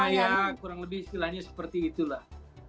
nah ya kurang lebih istilahnya seperti itulah